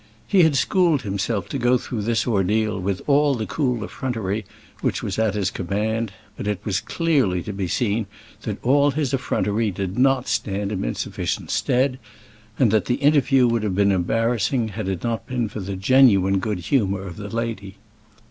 He had schooled himself to go through this ordeal with all the cool effrontery which was at his command; but it was clearly to be seen that all his effrontery did not stand him in sufficient stead, and that the interview would have been embarrassing had it not been for the genuine good humour of the lady.